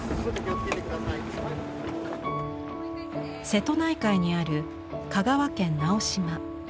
瀬戸内海にある香川県直島。